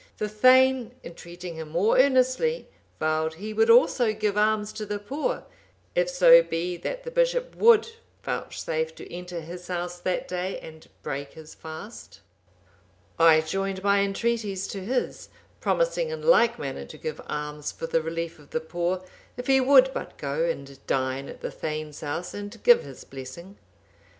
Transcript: The thegn, entreating him more earnestly, vowed he would also give alms to the poor, if so be that the bishop would vouchsafe to enter his house that day and break his fast. I joined my entreaties to his, promising in like manner to give alms for the relief of the poor,(785) if he would but go and dine at the thegn's house, and give his blessing.